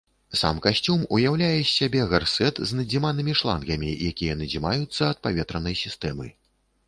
Сам касцюм ўяўляе з сябе гарсэт з надзіманымі шлангамі, якія надзімаюцца ад паветранай сістэмы.